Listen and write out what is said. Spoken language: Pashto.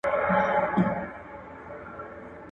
خپله لاسه، گله لاسه